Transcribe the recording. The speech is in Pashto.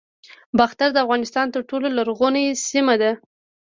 باختر د افغانستان تر ټولو لرغونې سیمه ده